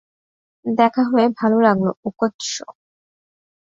দেখা হয়ে ভালো লাগলো, ওকোৎসু।